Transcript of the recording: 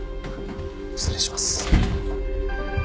失礼します。